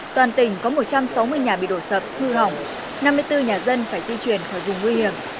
toàn tỉnh có một trăm sáu mươi nhà bị đổ sập hư hỏng năm mươi bốn nhà dân phải di chuyển khỏi vùng nguy hiểm